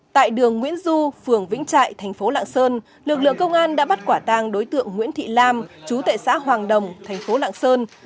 tại đường nguyễn du phường vĩnh trại thành phố lạng sơn lực lượng công an đã bắt quả tàng đối tượng nguyễn thị lam chú tại xã hoàng đồng thành phố lạng sơn